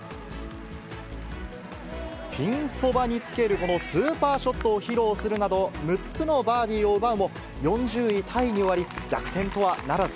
ピンそばにつけるこのスーパーショットを披露するなど、６つのバーディーを奪うも、４０位タイに終わり、逆転とはならず。